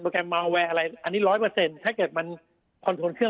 โปรแกรมอะไรอันนี้ร้อยเปอร์เซ็นต์ถ้าเกิดมันควรเครื่อง